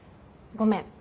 ごめん。